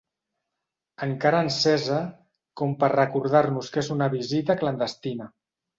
Encara encesa, com per recordar-nos que és una visita clandestina.